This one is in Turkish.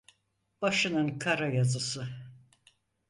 Başının kara yazısı!